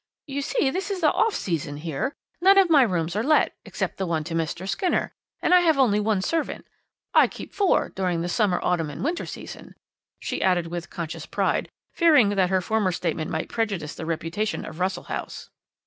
'You see this is the off season here. None of my rooms are let, except the one to Mr. Skinner, and I only have one servant. I keep four during the summer, autumn, and winter season,' she added with conscious pride, fearing that her former statement might prejudice the reputation of Russell House.